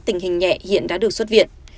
tình hình nhẹ hiện đã được xuất viện